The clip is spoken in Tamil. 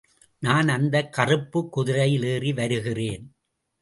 நான் அந்தக் கறுப்பு குதிரையில் ஏறி வருகிறேன்.